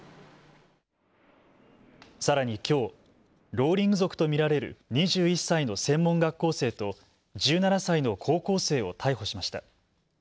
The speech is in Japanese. さらにきょう、ローリング族と見られる２１歳の専門学校生と１７歳の高校生を逮捕しました。